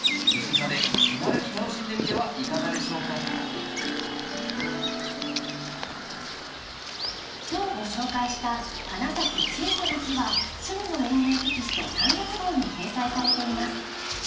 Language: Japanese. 身近で気軽に楽しんでみてはいかがでしょうか今日ご紹介した「花咲く小さな木」は「趣味の園芸」テキスト３月号に掲載されています。